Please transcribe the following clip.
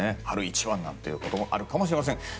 春一番ということもあるかもしれません。